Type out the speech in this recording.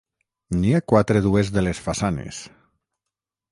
N'hi ha quatre dues de les façanes.